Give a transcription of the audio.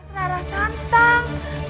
mas rara santang